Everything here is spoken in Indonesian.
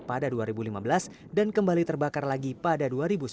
pada dua ribu lima belas dan kembali terbakar lagi pada dua ribu sembilan belas